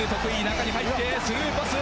中に入って、スルーパス。